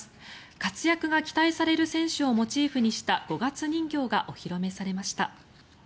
活躍が期待される選手をモチーフにした五月人形がお披露目されました。